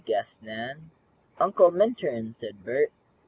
guessed Nan. "Uncle Minturn," said Bert.